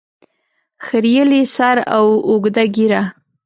خریلي سر او اوږده ږیره